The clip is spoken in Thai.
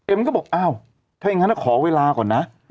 ก็บอกอ้าวถ้าอย่างนั้นขอเวลาก่อนนะ